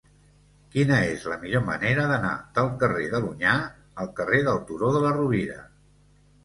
Quina és la millor manera d'anar del carrer de l'Onyar al carrer del Turó de la Rovira?